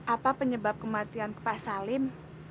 apa penyebab kematian pak salim